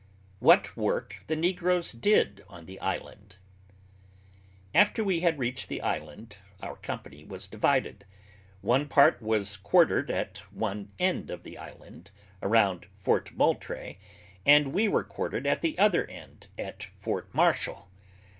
WHAT WORK THE NEGROES DID ON THE ISLAND. After we had reached the island, our company was divided. One part was quartered at one end of the Island, around Fort Moultrie, and we were quartered at the other end, at Fort Marshall.